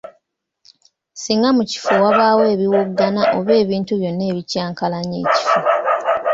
Singa mu kifo wabaawo ebiwoggana oba ebintu byonna ebikyankalanya ekifo.